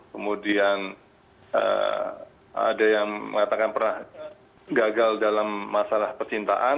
kemudian ada yang mengatakan pernah gagal dalam masalah percintaan